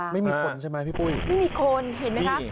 ไม่มีคนใช่ไหมพี่ปุ้ยไม่มีคนเห็นไหมคะ